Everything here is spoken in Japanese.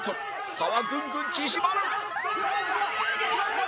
差はぐんぐん縮まる！